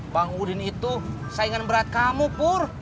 bang udin itu saingan berat kamu pur